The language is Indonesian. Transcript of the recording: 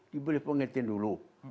diberi pengertian dulu